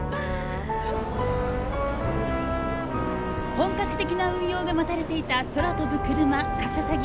本格的な運用が待たれていた空飛ぶクルマかささぎ。